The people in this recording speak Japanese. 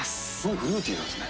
フルーティーなんですね。